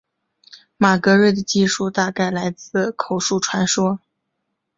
马格瑞的记述大概来自口述传说。